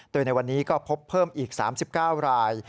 โดยในวันนี้ก็พบเพิ่มอีก๓๙ราย